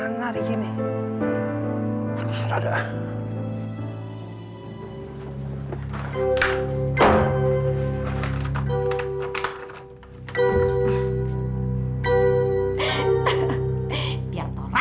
masa ini aku mau ke rumah